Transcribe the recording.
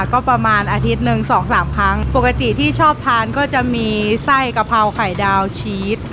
ก็ประมาณอาทิตย์หนึ่งสองสามครั้งปกติที่ชอบทานก็จะมีไส้กะเพราไข่ดาวชีส